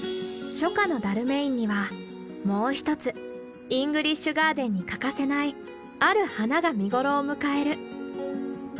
初夏のダルメインにはもう一つイングリッシュガーデンに欠かせないある花が見頃を迎える。